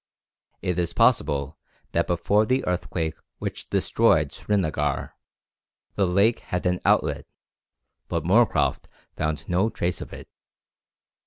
It is possible that before the earthquake which destroyed Srinagar, the lake had an outlet, but Moorcroft found no trace of it.